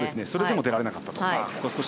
それでも出られなかったという。